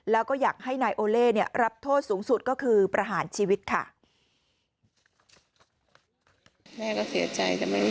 แล้วก็อยากให้นายโอเล่รับโทษสูงสุดก็คือประหารชีวิตค่ะ